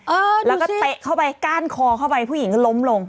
เออแล้วก็เตะเข้าไปก้านคอเข้าไปผู้หญิงก็ล้มลง